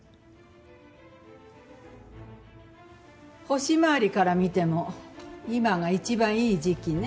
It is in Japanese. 星回りから見ても今が一番いい時期ね。